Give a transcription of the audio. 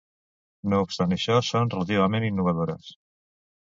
No obstant això, són relativament innovadores.